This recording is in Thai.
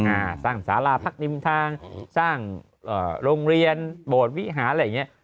อ่าสร้างสาราพักริมทางสร้างเอ่อโรงเรียนโบสถ์วิหารอะไรอย่างเงี้ย